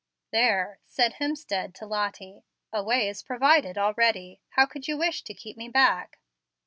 "There," said Hemstead to Lottie; "a way is provided already. How could you wish to keep me back?"